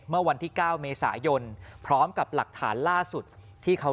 เมื่อวันที่๙เมษายนพร้อมกับหลักฐานล่าสุดที่เขา